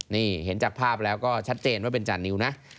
นี่เห็นจากภาพแล้วก็ชัดเจนว่าเป็นจานิวนะ